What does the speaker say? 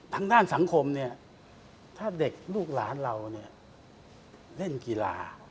ทางด้านสังคมถ้าเด็กลูกหลานเราเล่นกีฬา